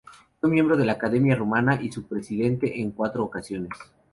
Fue miembro de la Academia Rumana y su presidente en cuatro ocasiones.